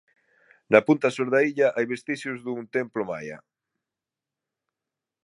Na punta sur da illa hai vestixios dun templo maia.